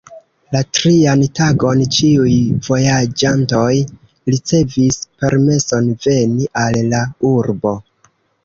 La trian tagon ĉiuj vojaĝantoj ricevis permeson veni al la urbo.